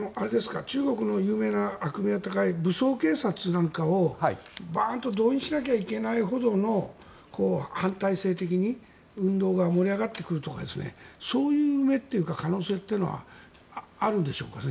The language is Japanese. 中国の有名な悪名高い武装警察なんかを、バンと動員しなきゃいけないほどの反体制的に、運動が盛り上がってくるとかそういう目というか可能性というのはあるんでしょうか。